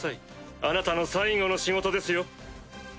あなたの最後の仕事ですよ。